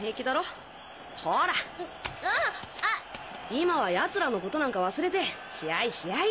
今は奴らのことなんか忘れて試合試合！